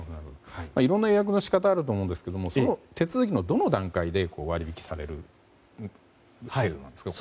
いろんな予約の仕方があると思うんですけど手続きの、どの段階で割引される制度なんですか？